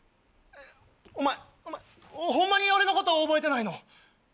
お前ホンマに俺のこと覚えてないの？